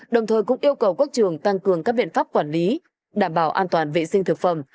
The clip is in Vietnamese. đồng thời cũng yêu cầu các trường tăng cường các biện pháp quản lý đảm bảo an toàn vệ sinh thực phẩm